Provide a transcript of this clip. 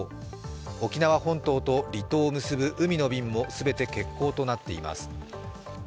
沖縄本島と離島を結ぶ海の便も全て欠航となっています。